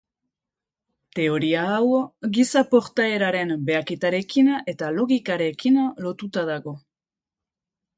Teoria hau, giza-portaeraren behaketarekin eta logikarekin lotuta dago.